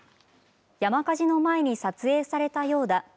山火事の前に撮影されたようだ。